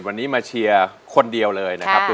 วันนี้มาเชียร์คนเดียวเลยนะครับ